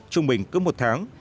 trung bình cứ một tháng